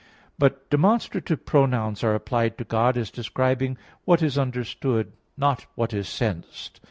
But demonstrative pronouns are applied to God as describing what is understood, not what is sensed.